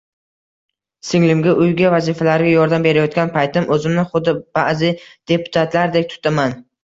Singlimga uyga vazifalariga yordam berayotgan paytim o'zimni xuddi ba'zi deputatlardek tutaman